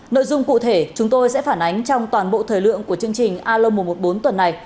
nội dung cụ thể chúng tôi sẽ phản ánh trong toàn bộ thời lượng của chương trình alo một trăm một mươi bốn tuần này